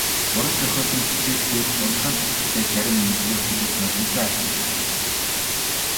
Уран зохиолын хичээл дээр уяхан сэтгэлтэй зарим эмэгтэй хүүхэд нулимсаа арчиж эхлэв.